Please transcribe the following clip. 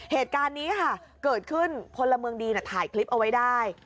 เหตุการณ์นี้ค่ะเกิดขึ้นพลเมืองดีถ่ายคลิปเอาไว้ได้